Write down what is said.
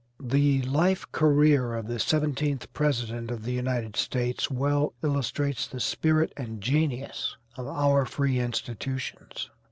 The life career of the seventeenth president of the United States well illustrates the spirit and genius of our free institutions.